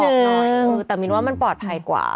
แต่มินว่ามันปลอดภัยกว่า